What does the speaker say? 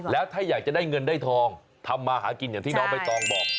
แล้วถ้าอยากจะได้เงินได้ทองทำมาหากินอย่างที่น้องใบตองบอก